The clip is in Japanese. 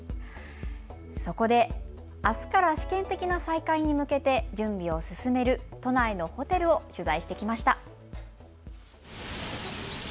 そこで、あすから試験的な再開に向けて準備を進める都内のホテルを取材してきました。